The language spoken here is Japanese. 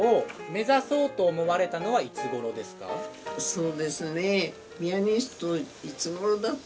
そうですね。